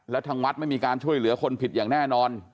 แล้วทางวัดไม่มีการช่วยเหลือคนผิดอย่างแน่นอน